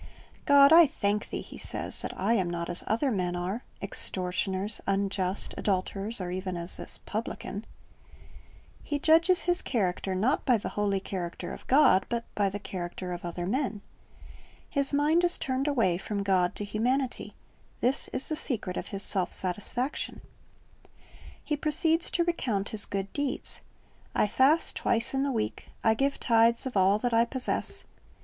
"God, I thank thee," he says, "that I am not as other men are, extortioners, unjust, adulterers, or even as this publican." He judges his character, not by the holy ( 150) Based 011 Luke 18 : 9 14 ' 1st. 65 : 5 Tiv o Wo r s Ji i p c r s 1 5 1 character of God, but by the character of other men. His mind is turned away from God to humanity. This is the secret of his self satisfaction. He proceeds to recount his good deeds: "I fast twice in the week, I give tithes of all that I possess."